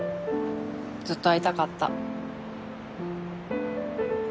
ずっと会いたかった